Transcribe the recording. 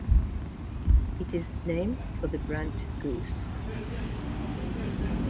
It is named for the brant goose.